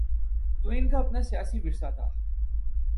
تو ان کا اپنا سیاسی ورثہ تھا۔